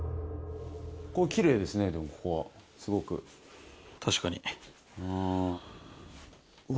ここきれいですねでもここはすごく確かにうわ